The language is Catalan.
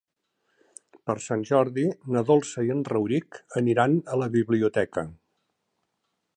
Per Sant Jordi na Dolça i en Rauric aniran a la biblioteca.